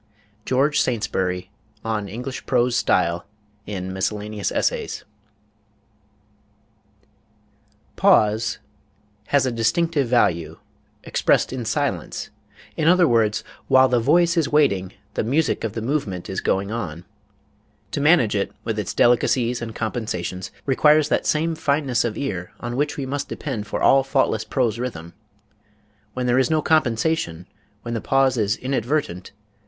GEORGE SAINTSBURY, on English Prose Style, in Miscellaneous Essays. ... pause ... has a distinctive value, expressed in silence; in other words, while the voice is waiting, the music of the movement is going on ... To manage it, with its delicacies and compensations, requires that same fineness of ear on which we must depend for all faultless prose rhythm. When there is no compensation, when the pause is inadvertent